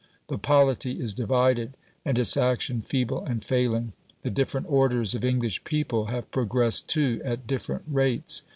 The polity is divided, and its action feeble and failing. The different orders of English people have progressed, too, at different rates.